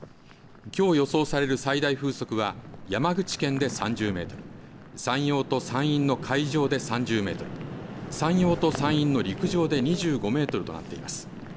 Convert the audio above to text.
きょう予想される最大風速は山口県で３０メートル、山陽と山陰の海上で３０メートル、山陽と山陰の陸上で２５メートルとなっています。